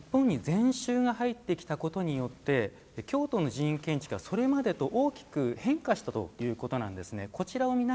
日本に禅宗が入ってきたことによって京都の寺院建築はそれまでと大きく変化したということなんですね。